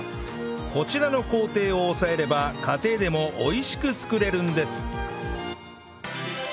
こちらの工程を押さえれば家庭でも美味しく作れるんです